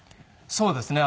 そうですね。